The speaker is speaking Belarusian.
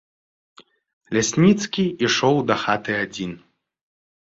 Лясніцкі ішоў дахаты адзін.